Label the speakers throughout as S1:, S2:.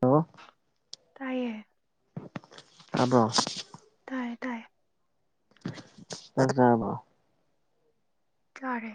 S1: hello
S2: ꯇꯥꯏꯑꯌꯦ
S1: ꯍꯥꯏꯕ꯭ꯔꯣ
S2: ꯇꯥꯏꯌꯦ ꯇꯥꯏꯦ
S1: ꯑꯃ
S2: ꯇꯔꯦ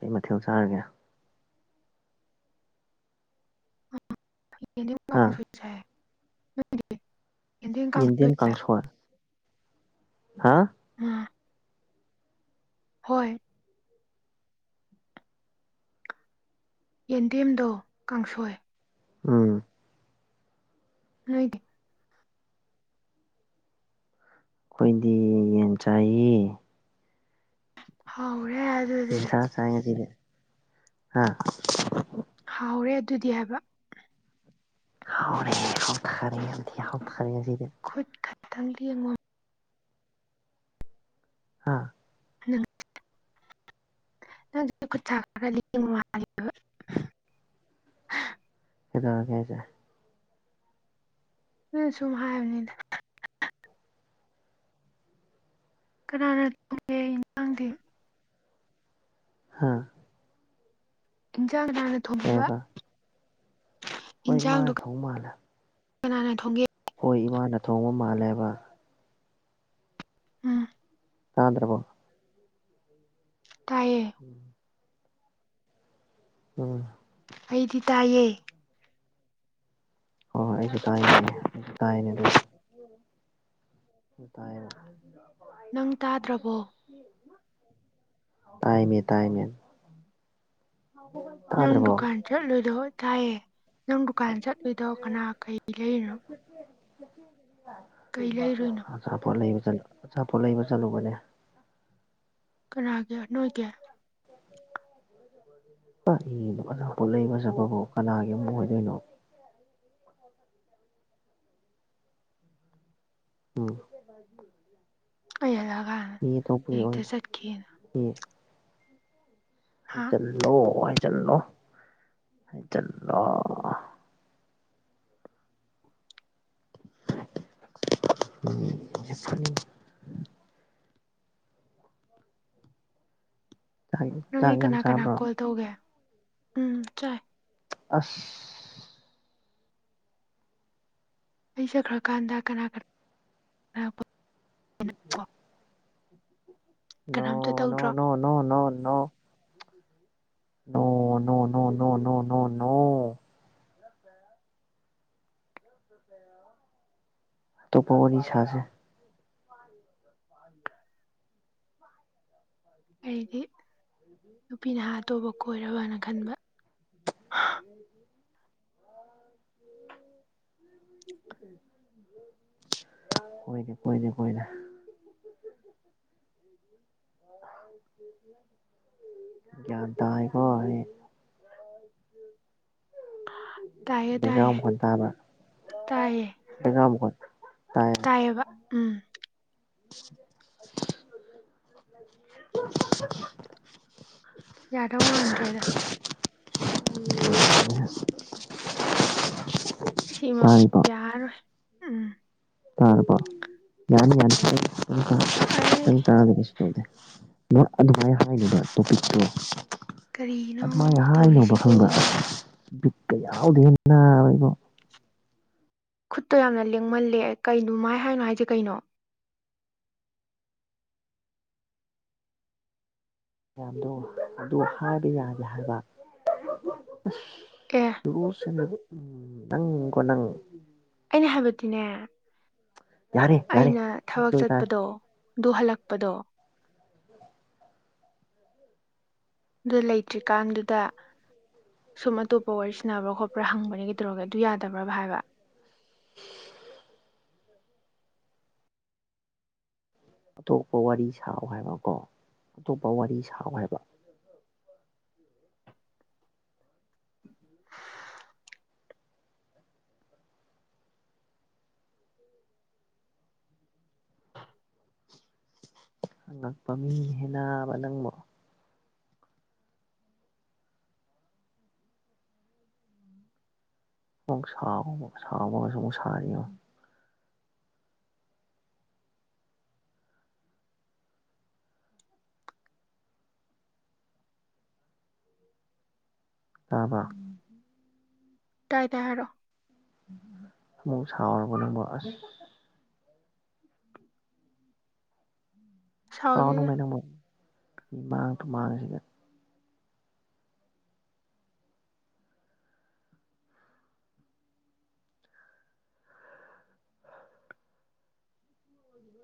S1: ꯑꯩ ꯃꯊꯦꯜ ꯆꯥꯔꯒꯦ ꯍꯥ
S2: [unintelligible] ꯀꯥꯡꯁꯣꯏ
S1: ꯏꯟꯗꯤꯌꯥꯦꯟ ꯀꯁ ꯍꯥ
S2: ꯎꯝ ꯍꯣꯏ ꯌꯦꯟꯗꯦꯝꯗꯣ ꯀꯥꯡꯁꯣꯏ
S1: ꯎꯝ
S2: ꯍꯥꯏꯗꯤ
S1: ꯑꯩꯈꯣꯏꯗꯤ ꯌꯦꯟ ꯆꯥꯏꯌꯦ
S2: ꯍꯧ
S1: ꯁꯥꯏꯒꯗꯤꯔ ꯍꯥꯥ
S2: ꯍꯥꯎꯔꯦ ꯑꯗꯨꯗꯤ ꯍꯥꯏꯕ
S1: ꯍꯥꯎꯦ ꯍ ꯈꯔꯦꯗꯤꯌꯥ ꯍꯈꯔꯦꯁꯤꯗ
S2: ꯈꯨꯠ ꯈꯛꯇꯪ ꯌꯦꯡꯉꯣ
S1: ꯍꯥ
S2: ꯅꯪ [unintelligible]
S1: ꯍꯗꯉ ꯀꯦꯁꯦ
S2: ꯅꯣꯏ ꯁꯨꯝ ꯍꯥꯏꯕꯅꯤꯗ ꯀꯅꯥꯅ ꯇꯧꯒꯦ ꯌꯦꯟꯁꯥꯡꯗꯤ
S1: ꯍꯥꯥ
S2: ꯏꯟꯁꯥꯡ ꯅꯥꯅ ꯊꯣꯡꯕꯤꯕ
S1: ꯀꯩꯑꯕ ꯍꯣꯏ ꯏꯃꯥꯅ ꯊꯣꯡ ꯃꯥꯜꯂ
S2: ꯀꯅꯥꯅ ꯊꯣꯡꯒꯦ
S1: ꯍꯣꯏ ꯏꯃꯥꯅ ꯊꯣꯡꯕ ꯃꯥꯜꯂꯦꯕ
S2: ꯑ
S1: ꯀꯥꯗ꯭ꯔꯕꯣ
S2: ꯇꯥꯏꯌꯦ
S1: ꯎꯝ ꯎꯝ
S2: ꯑꯩꯗꯤ ꯇꯥꯏꯌꯦ
S1: ꯍꯣꯏ ꯍꯣꯏ ꯑꯩꯁꯨ ꯇꯥꯏꯅꯦ ꯑꯩꯁꯨ ꯇꯥꯏꯅꯦ ꯑꯗꯨ ꯑ ꯇꯥꯏꯅ
S2: ꯅꯪ ꯇꯥꯗ꯭ꯔꯕꯣ
S1: ꯇꯥꯏꯃꯦ ꯇꯃꯦ ꯍ
S2: ꯅꯪ ꯗꯨꯀꯥꯟ ꯆꯠꯂꯣꯏꯗꯣ ꯇꯥꯏꯌꯦ ꯅꯪ ꯗꯨꯀꯥꯟ ꯆꯠꯂꯨꯗꯣ ꯀꯅꯥ ꯀꯩ ꯂꯩꯔꯤꯅꯣ ꯀꯩ ꯂꯩꯔꯨꯏꯅꯣ
S1: ꯑꯆꯥꯄꯣꯠ ꯂꯩꯕꯂ ꯑꯆꯥꯄꯣꯠ ꯂꯩꯕ ꯆꯠꯂꯨꯕꯅꯦ
S2: ꯀꯅꯥꯒꯤ ꯅꯣꯏꯒꯤ
S1: ꯄ ꯏꯅꯣ ꯐꯖ ꯄꯠꯂꯛꯏ ꯐꯖꯕꯕꯨ ꯀꯅꯥꯒꯤ ꯑꯃꯨꯛ ꯑꯣꯏꯗꯣꯏꯅꯣ ꯎꯝ
S2: ꯀ ꯌꯥꯂꯒ
S1: ꯃꯤ ꯑꯇꯣꯞꯄꯒꯤ ꯑꯣꯏꯅ ꯌꯦ
S2: ꯍꯥ
S1: ꯍꯥꯏꯖꯜꯂꯣ ꯍꯥꯏꯖꯟꯂꯣ ꯍꯥꯏꯖꯜꯂꯣ [unintelligible] ꯆꯥꯛ ꯆꯥꯛ
S2: ꯅꯪꯒꯤ
S1: ꯌꯥꯝ
S2: ꯀꯅꯥ ꯀꯅꯥ
S1: ꯆꯥꯕ꯭ꯔꯣ
S2: ꯀꯣꯜ ꯇꯧꯒꯦ ꯎꯝ ꯆꯥꯏ
S1: ꯑꯁ
S2: ꯑꯩ ꯆꯠꯈ꯭ꯔ ꯀꯥꯟꯗ ꯀꯅꯥ ꯀꯅꯥ
S1: ꯎꯝ
S2: ꯀꯅꯥꯝꯇ ꯇꯧꯗ꯭ꯔꯣ
S1: [unintelligible] [unintelligible] [inaudible] ꯑꯇꯣꯞꯄ ꯋꯥꯔꯤ ꯁꯥꯥꯁꯦ
S2: ꯑꯩꯗꯤ ꯅꯨꯄꯤ ꯅꯍꯥ ꯑꯇꯣꯕ ꯀꯣꯏꯔꯕꯅ ꯈꯟꯕ
S1: [inaudible] [inaudible] [inaudible] ꯀꯣꯏꯗꯦ ꯀꯣꯏꯗꯦ ꯀꯣꯏ [unintelligible] ꯒꯌ꯭ꯥꯟ ꯇꯥꯏꯀꯦ [unintelligible]
S2: ꯇꯥꯏꯌꯦ ꯇꯥꯏꯌꯦ
S1: [unintelligible] ꯇꯕ
S2: ꯇꯥꯏꯌꯦ
S1: [unintelligible] ꯃꯣꯈꯣꯟ ꯇꯥꯏ
S2: [unintelligible] ꯎꯝ
S1: [inaudible]
S2: ꯌꯥꯗꯧ ꯋꯥꯥꯟꯗ꯭ꯔꯦꯗ ꯁꯤꯃ
S1: ꯇꯥꯔꯤꯕꯣ
S2: ꯌꯥꯔꯣꯏ ꯎꯝ
S1: ꯇꯔꯕꯣ [unintelligible]
S2: ꯑꯩ
S1: [unintelligible] ꯑꯗꯨꯃꯥꯏꯅ ꯍꯥꯏꯅꯦꯕ ꯇꯣꯄꯤꯛꯇꯣ
S2: ꯀꯔꯤꯅꯣ
S1: ꯑꯗꯨꯃꯥꯏꯅ ꯍꯥꯏꯅꯧꯕ
S2: ꯇꯧꯔꯤꯁꯤꯕꯣ
S1: ꯈꯪꯕ ꯕꯤꯛꯀ ꯌꯥꯎꯗꯦꯟꯅ ꯏꯕꯣ
S2: ꯈꯨꯠꯇ ꯌꯥꯝꯅ ꯂꯦꯡꯃꯜꯂꯦ ꯀꯩꯅꯣꯃꯥꯏ ꯍꯥꯏꯅꯣ ꯍꯥꯏꯁꯦ ꯀꯩꯅꯣ
S1: ꯃꯌꯥꯝꯗꯣ ꯑꯗꯨ ꯍꯥꯏꯕ ꯌꯥꯒꯦ ꯍꯥꯏꯕ ꯑꯁ
S2: [unintelligible]
S1: [unintelligible] ꯅꯪꯒꯣꯅꯪ
S2: ꯑꯩꯅ ꯍꯥꯏꯕꯗꯤꯅꯦ
S1: ꯌꯥꯔꯦ ꯌꯥꯔꯦ
S2: ꯑꯩꯅ ꯊꯕꯛ
S1: ꯑꯗꯨ ꯑꯣꯏꯇꯥꯔꯦ
S2: ꯆꯠꯄꯗꯣ ꯑꯗꯨ ꯍꯜꯂꯛꯄꯗꯣ ꯑꯗꯨ ꯂꯩꯇ꯭ꯔꯤꯀꯥꯟꯗꯨꯗ ꯁꯨꯝ ꯑꯇꯣꯞꯄ ꯋꯥꯔꯤ ꯁꯅꯕ꯭ꯔꯥ ꯈꯣꯠꯄ꯭ꯔꯥ ꯍꯪꯕꯅꯤ ꯀꯩꯗꯧꯔꯒ ꯑꯗꯨ ꯌꯥꯗꯕ꯭ꯔꯥꯕ ꯍꯥꯏꯕ
S1: [inaudible] ꯑꯇꯣꯞꯄ ꯋꯥꯔꯤ ꯁꯥꯎ ꯍꯥꯏꯕꯀꯣ ꯑꯇꯣꯞꯄ ꯋꯥꯔꯤ ꯁꯥꯎ ꯍꯥꯏꯕ ꯑꯉꯛꯄ ꯃꯤ ꯍꯦꯟꯅꯥꯕ ꯅꯪꯕꯨ ꯑꯃꯨꯛ ꯁꯥꯕ ꯑꯃꯨꯛ ꯁꯥꯕꯒꯁꯨ ꯑꯃꯨꯛ ꯁꯥꯔꯤꯌꯣ ꯇꯥꯕ
S2: ꯇꯥꯏ ꯇꯥꯏ ꯍꯥꯏꯔꯣ
S1: ꯑꯃꯛ ꯁꯥꯎꯔꯕ ꯅꯪꯕꫭ ꯑꯁ
S2: ꯁꯥꯎꯗꯦꯗ
S1: [unintelligible] ꯃꯤꯃꯥꯡ ꯇꯨꯃꯥꯡꯁꯤꯗ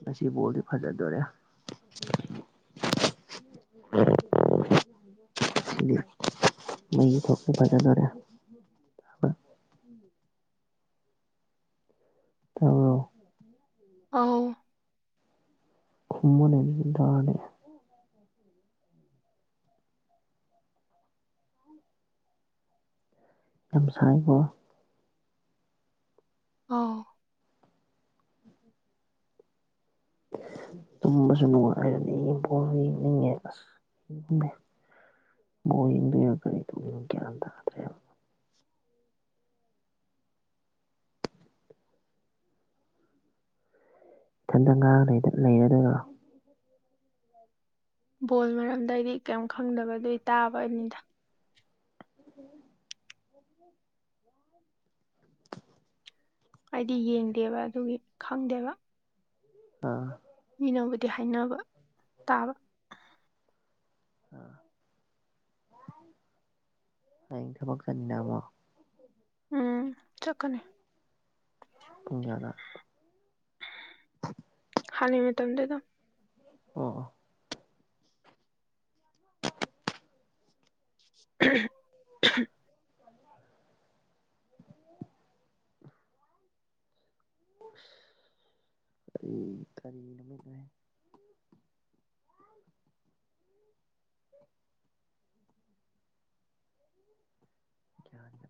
S1: ꯉꯁꯤ ꯕꯣꯜꯗꯤ ꯐꯖꯗꯣꯔꯦ [unintelligible] ꯃꯩ ꯊꯣꯛꯄ ꯐꯖꯗꯔꯦ ꯇꯥꯕꯔꯣ
S2: ꯑꯥꯎ
S1: ꯈꯨꯝꯃꯨꯅꯦ [unintelligible] ꯌꯥꯝ ꯁꯥꯏꯀꯣ
S2: ꯑꯥꯎ
S1: ꯇꯨꯝꯕꯁꯨ ꯅꯨꯡꯉꯥꯏꯔꯥꯅꯤ ꯕꯣꯜ ꯌꯦꯡꯅꯤꯡꯉꯦ ꯑꯁ ꯕꯣꯜ ꯌꯦꯡꯗꯨꯏꯔꯥ ꯀꯔꯤ [unintelligible] ꯒ꯭ꯌꯥꯟ ꯇꯥꯗ꯭ꯔꯦꯕ ꯏꯊꯟꯇ ꯉꯥꯡꯂꯩꯗ ꯂꯩꯔꯗꯣꯏꯔꯣ
S2: ꯕꯣꯜ ꯃꯔꯝꯗ ꯑꯩꯗꯤ ꯀꯩꯝ ꯈꯪꯗꯕꯗꯨ ꯇꯥꯕꯅꯤꯗ ꯑꯩꯗꯤ ꯌꯦꯡꯗꯦꯕ ꯑꯗꯨꯒꯤ ꯈꯪꯗꯦꯕ
S1: ꯑꯥ
S2: [unintelligible] ꯕꯨꯗꯤ ꯍꯥꯏꯅꯕ ꯇꯥꯕ
S1: ꯑ ꯍꯌꯦꯡ ꯊꯕꯛ ꯆꯠꯅꯤꯡꯉꯕꯣ
S2: ꯎꯝ ꯆꯀꯅꯤ
S1: ꯇꯨꯡꯌꯥꯗꯅ
S2: ꯍꯥꯟꯅ ꯃꯇꯝꯗꯨ ꯑꯗꯨ
S1: ꯑꯣ ꯑ
S2: ꯎ
S1: ꯀ ꯀꯔꯤꯅꯃꯤꯦ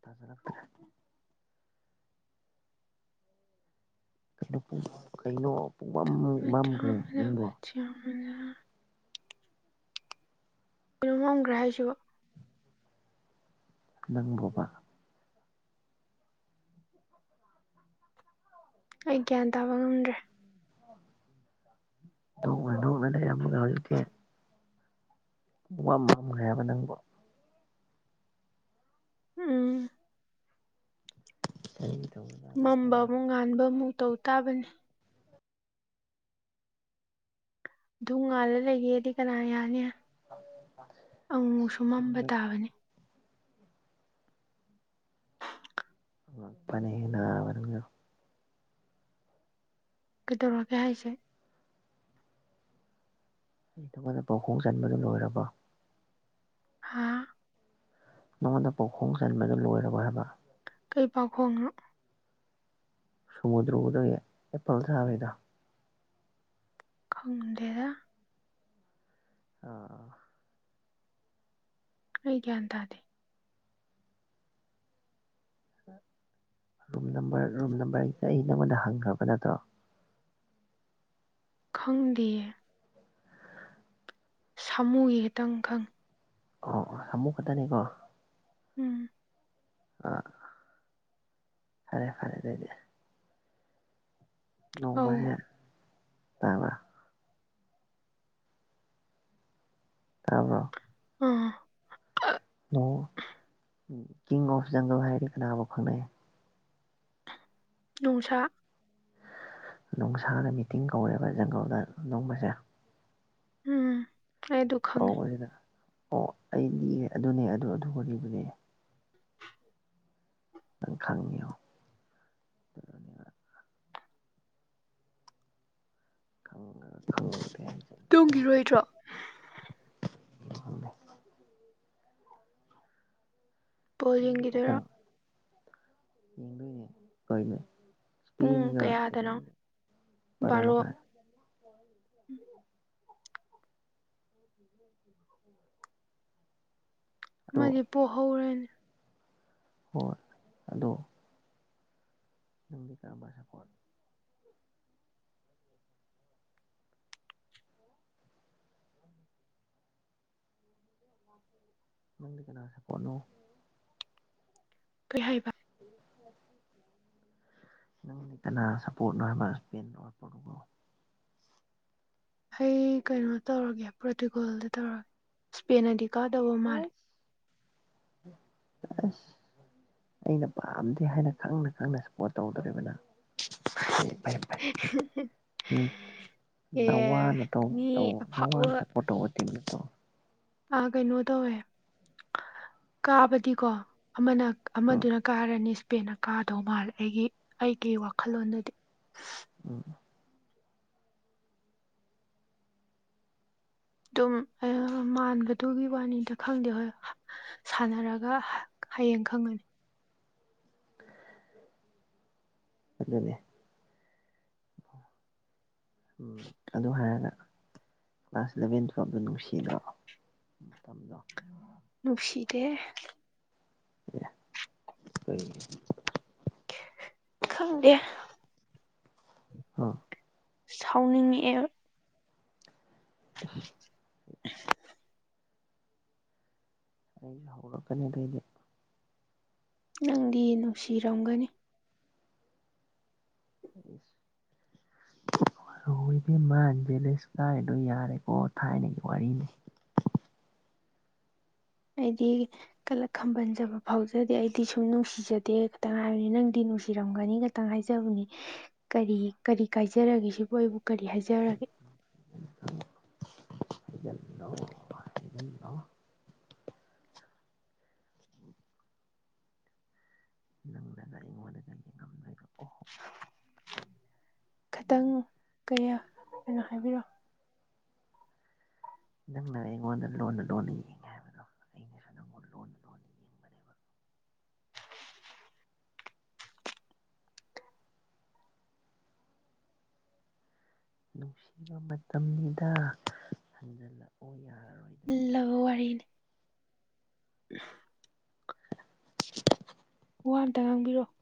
S1: ꯊꯖꯔꯛꯦ ꯀꯩꯅꯣ ꯀꯩꯅꯣ ꯄꯨꯡꯝ ꯃꯝꯈ꯭ꯔꯦ ꯅꯪꯕꯣ
S2: ꯌꯥꯝꯕꯅ ꯀꯩꯅꯣ ꯉꯝꯈ꯭ꯔꯦ ꯍꯥꯏꯁꯤ
S1: ꯅꯪꯕꯣꯕ
S2: ꯑꯩ ꯒ꯭ꯌꯥꯟ ꯇꯥꯕ ꯉꯝꯗ꯭ꯔꯦ
S1: ꯅꯣꯡꯉ ꯅꯣꯡ ꯃꯅꯦ ꯌꯥꯝ ꯑꯃꯒ ꯍꯧꯀꯦ ꯄ ꯑꯃ ꯑꯃ ꯉ ꯍꯥꯏꯌꯦꯕ ꯅꯪꯕꯣ
S2: ꯎꯝ
S1: ꯀ ꯇꯧꯕ
S2: ꯃꯝꯕ ꯑꯃꯨꯛ ꯉꯥꯟꯕ ꯑꯃꯨꯛ ꯇꯧ ꯇꯥꯕꯅꯤ ꯑꯗꯨ ꯉꯥꯜꯂ ꯂꯩꯒꯦꯗꯤ ꯀꯅꯥ ꯌꯥꯅꯤ ꯑꯃꯨꯛꯁꯨ ꯃꯝꯕ
S1: ꯅꯪꯒ
S2: ꯇꯥꯕꯅꯦ
S1: ꯄꯅꯦꯅ ꯑꯣꯏꯔ
S2: ꯀꯩꯗꯧꯔꯛꯒꯦ ꯍꯥꯏꯁꯦ
S1: ꯑꯩ ꯊꯧꯒꯅ ꯄ ꯍꯣꯡ ꯆꯟꯕꯗꯨ ꯂꯣꯏꯔꯕ
S2: ꯍꯥꯥ
S1: ꯃꯉꯣꯟꯗ ꯄꯥꯎꯈꯣꯡ ꯆꯟꯕꯗꯨ ꯂꯣꯏꯔꯔꯣꯏ ꯍꯥꯏꯕ
S2: ꯀꯩ ꯄꯥꯈꯣꯡꯉꯅꯣ
S1: ꯁꯨꯃꯨꯗ꯭ꯔ ꯎꯗ ꯑꯦꯄꯜ ꯁꯥꯕꯩꯗꯣ
S2: ꯈꯪꯗꯦꯗ
S1: ꯑꯥ
S2: ꯑꯩ ꯒ꯭ꯌꯥꯟ ꯇꯥꯗꯦ
S1: ꯔꯨꯝ ꯅꯝꯕꯔ ꯔꯨꯝ ꯅꯝꯕꯔꯁꯦ ꯑꯩ ꯅꯪꯉꯣꯟꯗ ꯍꯪꯈ꯭ꯔꯕ ꯅꯠꯇ꯭ꯔꯣ
S2: ꯈꯪꯗꯦꯌꯦ ꯁꯥꯃꯨꯒꯤ ꯈꯤꯇꯪ ꯈꯪꯉꯤ
S1: ꯑꯣ ꯑꯣ ꯁꯃꯨ ꯀꯗꯅꯤꯀꯣ
S2: ꯎꯝ
S1: ꯑꯥ ꯐꯔꯦ ꯐꯔꯦ ꯑꯗꯨꯗꯤ
S2: ꯑꯧ
S1: ꯅꯣꯡꯃꯁꯦ ꯇꯥꯕ꯭ꯔ ꯇꯥꯔꯕ
S2: ꯑ
S1: ꯑꯣ ꯀꯤꯡꯗꯝ ꯑꯣꯐ ꯖꯪꯒꯜ ꯍꯥꯏꯗꯤ ꯀꯅꯥꯐꯥꯎ ꯈꯪꯅꯩꯌꯦ
S2: ꯅꯨꯡꯁꯥ
S1: ꯅꯨꯡꯁꯥꯅ ꯃꯤꯇꯤꯡ ꯀꯧꯋꯦꯕ ꯖꯪꯒꯜꯗ ꯅꯣꯡꯕꯁꯦ
S2: ꯎꯝ ꯑꯩ ꯑꯗꯨ ꯈꯪꯉꯦ
S1: ꯀꯁꯤꯗꯅ ꯑꯣ ꯑꯩ ꯂꯤꯔꯦ ꯑꯗꯨꯅꯦ ꯑꯗꯨ ꯑꯗꯨꯒ ꯂꯤꯕꯅꯦ ꯅ ꯊꯅꯤ ꯊꯦ
S2: ꯇꯨꯡꯒꯤꯔꯣꯏꯗ꯭ꯔꯣ
S1: ꯈꯪꯗꯦ
S2: ꯕꯣꯜ
S1: ꯅꯪꯁꯨ
S2: ꯌꯦꯡꯒꯤꯗꯣꯏꯔꯣ
S1: ꯄꯥꯎꯈꯨꯝ ꯌꯦꯡꯗꯣꯏꯅꯦ ꯀꯣꯏꯅꯦ
S2: ꯄꯨꯡ
S1: ꯏꯁꯄꯦꯟꯒ
S2: ꯀꯌꯥꯗꯅꯣ
S1: ꯀꯩꯗꯧꯅꯤꯅꯦ ꯄꯔꯣ
S2: ꯕꯥꯔꯣ
S1: ꯃꯈꯥꯏ ꯎ
S2: ꯑꯃꯗꯤ ꯄꯣꯛꯍꯧꯔꯅꯤ
S1: ꯍꯣꯏ ꯑꯗꯣ ꯅꯪꯒꯤ ꯀꯔꯝꯕꯁꯥ ꯀꯣꯠ ꯅꯪꯗꯤ ꯀꯅꯥ ꯁꯄꯣꯠꯅꯣ
S2: ꯀꯩ ꯍꯥꯏꯕ
S1: ꯎ ꯅꯪ ꯂꯩꯇꯅ ꯁꯞꯄꯣꯔꯠ ꯑꯣꯏꯕ ꯍꯁꯄꯦꯟ ꯑꯣꯠꯄꯗꯨꯕꯨ
S2: ꯑꯩ ꯀꯩꯅꯣ ꯇꯧꯔꯒꯦ ꯄ꯭ꯔꯣꯔꯇꯨꯒꯜꯗ ꯇꯧꯔꯒꯦ ꯏꯁꯄꯦꯟ ꯑꯗꯤ ꯀꯥꯗꯕ ꯃꯥꯜꯂꯦ
S1: ꯑ ꯑꯩꯅ ꯄꯥꯝꯗꯦ ꯍꯥꯏꯅ ꯈꯪꯅ ꯈꯪꯅ ꯁꯞꯄꯣꯔꯠ ꯇꯧꯗꯣꯔꯤꯕꯅ ꯎꯝ
S2: [unintelligible] ꯑꯦ
S1: ꯅꯋꯥꯅ ꯇꯧ
S2: ꯃꯤ
S1: ꯇꯧ ꯅꯋꯥꯅ
S2: ꯑꯐꯥꯎꯕ
S1: ꯆꯠꯄꯣ ꯇꯧ ꯇꯤꯠꯇꯣ
S2: ꯑ ꯀꯩꯅꯣ ꯇꯧꯋꯦ ꯀꯥꯕꯗꯤꯀꯣ ꯑꯃꯅ
S1: ꯎꯝ
S2: ꯑꯃꯗꯨꯅ ꯀꯥꯔꯅꯤ ꯏꯁꯄꯦꯟꯅ ꯀꯥꯗꯧ ꯃꯥꯜꯂꯦ ꯑꯩꯒꯤ ꯑꯩꯒꯤ ꯋꯥꯈꯜꯂꯣꯟꯗꯗꯤ
S1: ꯎꯝ
S2: ꯑꯗꯨꯝ ꯃꯥꯟꯒꯗꯨꯒꯤ ꯋꯥꯅꯤꯗ ꯈꯪꯗꯦ ꯍꯣꯏ ꯁꯥꯟꯅꯔꯒ ꯍꯌꯦꯡ ꯈꯪꯒꯅꯤ
S1: ꯑꯗꯨꯖꯅꯦ ꯎꯝ ꯑꯗꯨ ꯍꯥꯏꯔꯒ ꯀ꯭ꯂꯥꯁ ꯏꯂꯚꯦꯟ ꯇꯨꯋꯦꯜꯕꯇꯣ ꯅꯨꯡꯁꯤꯗ꯭ꯔꯣ ꯃꯇꯝꯗꯣ
S2: ꯅꯨꯁꯤꯗꯦ
S1: [unintelligible]
S2: ꯈꯪꯗꯦ
S1: ꯑꯥ
S2: ꯁꯥꯎꯅꯤꯡꯉꯑ
S1: ꯎ
S2: ꯎ
S1: ꯑꯩꯁꯨ ꯍꯧꯔꯛꯀꯅꯤꯗꯩꯗꯤ
S2: ꯅꯪꯗꯤ ꯅꯨꯡꯁꯤꯔꯝꯒꯅꯤ
S1: ꯑ ꯗꯤꯃ ꯂꯤꯁ ꯀꯥꯏꯗꯣ ꯌꯥꯔꯦꯀꯣ ꯊꯥꯏꯅꯒꯤ ꯋꯥꯔꯤꯅꯤ
S2: ꯍꯥꯏꯗꯤ ꯀꯂ ꯈꯝꯕꯟꯖꯕ ꯐꯥꯎꯖꯗꯦ ꯑꯩꯗꯤ ꯁꯨꯝ ꯅꯨꯡꯁꯤꯖꯗꯦ ꯈꯤꯇꯪ ꯍꯥꯏꯕꯅꯤ ꯅꯪꯗꯤ ꯅꯨꯡꯁꯤꯔꯝꯒꯅꯤꯒ ꯈꯤꯇꯪ ꯍꯥꯏꯖꯕꯅꯤ ꯀꯔꯤ ꯀꯔꯤ ꯀꯥꯏꯖꯔꯒꯦ ꯁꯤꯕꯨ ꯑꯩꯕꯨ ꯀꯔꯤ ꯍꯥꯏꯖꯔꯒꯦ
S1: ꯏꯅꯣ ꯏꯅꯣ ꯅꯪꯗꯅ ꯑꯩꯉꯣꯟꯗꯒ ꯌꯦꯡꯉꯝꯗꯣꯏꯗꯣ ꯑꯣꯍꯣ
S2: ꯈꯤꯇꯪ ꯀꯌꯥ ꯀꯩꯅꯣ ꯍꯥꯏꯕꯤꯔꯣꯑꯣ
S1: ꯅꯪꯅ ꯑꯩꯉꯣꯟꯅ ꯂꯣꯟ ꯂꯣꯟꯅ ꯍꯥꯏꯕꯗꯣ ꯑꯩꯅꯁꯨ ꯅꯪꯉꯣꯟꯗ ꯂꯣꯟꯅ ꯂꯣꯟꯅ ꯌꯦꯡꯕꯅꯦꯕ ꯅꯨꯡꯁꯤꯕ ꯃꯇꯝꯅꯤꯗ ꯍꯟꯖꯜꯂꯛꯎ ꯌꯥꯔꯔꯣꯏ
S2: ꯂ ꯋꯥꯔꯤꯅꯤ ꯎ ꯋꯥ ꯑꯝꯇ ꯉꯥꯡꯕꯤꯔꯛꯑꯣ